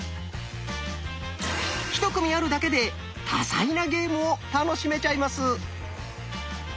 １組あるだけで多彩なゲームを楽しめちゃいます。